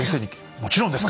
もちろんですか！